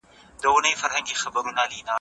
که د خلافت قدرت ګډ سي، هغه د انقلاب دی.